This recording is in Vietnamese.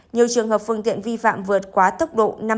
nhiều trường hợp phương tiện vi phạm vượt quá tốc độ